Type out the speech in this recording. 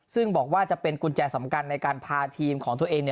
ซึ่งบอกว่าจะเป็นกุญแจสำคัญในการพาทีมของตัวเอง